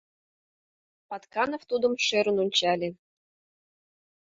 Патканов тудым шӧрын ончале.